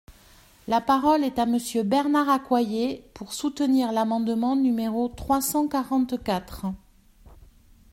La parole est à Monsieur Bernard Accoyer, pour soutenir l’amendement numéro trois cent quarante-quatre.